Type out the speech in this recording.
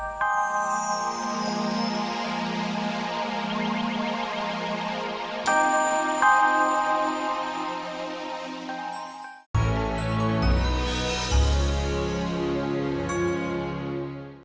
mencari langsung ke tkp